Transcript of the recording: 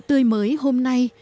tươi mới hôm nay